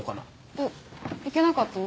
えっいけなかったの？